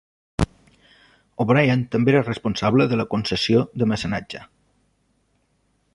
O'Brien també era responsable de la concessió de mecenatge.